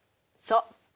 そう。